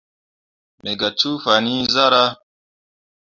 Me gah cuu fan iŋ zarah.